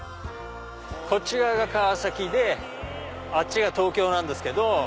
こっち側が川崎であっちが東京なんですけど。